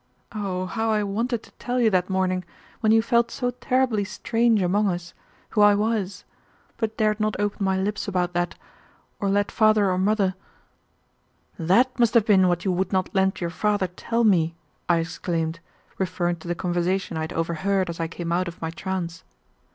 Oh, how I wanted to tell you that morning, when you felt so terribly strange among us, who I was, but dared not open my lips about that, or let father or mother " "That must have been what you would not let your father tell me!" I exclaimed, referring to the conversation I had overheard as I came out of my trance.